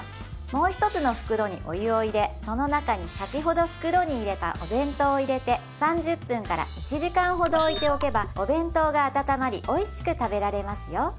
もう一つの袋にお湯を入れその中に先ほど袋に入れたお弁当を入れて３０分から１時間ほど置いておけばお弁当が温まりおいしく食べられますよ